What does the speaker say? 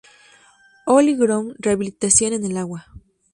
Holy Ground, rehabilitación en el agua".